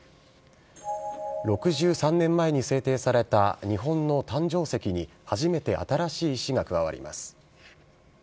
６３年前に制定された日本の誕生石に、初めて新しい石が加わります。